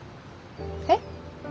えっ？